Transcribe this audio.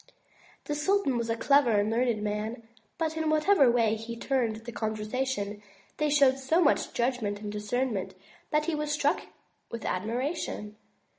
The sultan was a clever and learned man, but in whatever way he turned the conversation, they showed so much judgment and discernment, that he was struck with admiration.